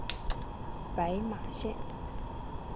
白马线